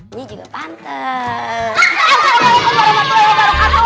ini juga pantas